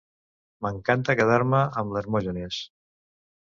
M'encanta quedar-me amb l'Hermògenes.